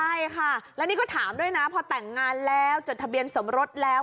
ใช่ค่ะแล้วนี่ก็ถามด้วยนะพอแต่งงานแล้วจดทะเบียนสมรสแล้ว